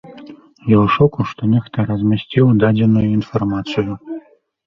Я ў шоку, што нехта размясціў дадзеную інфармацыю.